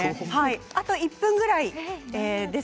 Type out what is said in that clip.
あと１分ぐらいです。